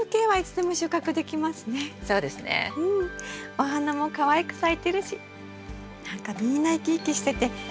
お花もかわいく咲いてるし何かみんな生き生きしてて元気もらえますね。